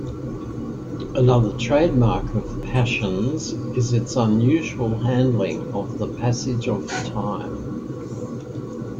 Another trademark of "Passions" is its unusual handling of the passage of time.